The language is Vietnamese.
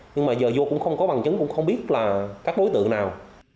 nhưng mà giờ vô cũng không có bằng chứng cũng không biết là các đối tượng nào